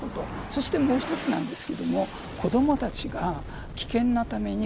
そして、もう一つなんですけど子どもたちが危険なために